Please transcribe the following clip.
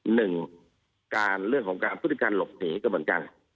หนึ่งเรื่องของการผู้ต้องหาหญิงก็เหมือนกัน